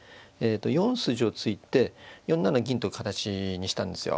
４筋を突いて４七銀という形にしたんですよ。